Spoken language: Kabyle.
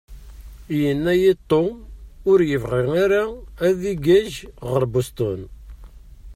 Yenna-iyi-d Tom ur yebɣi ara ad igaj ɣer Boston.